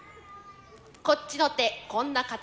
こっちの手こんな形。